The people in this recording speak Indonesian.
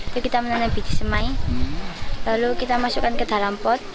kita menanam biji semai lalu kita masukkan ke dalam pot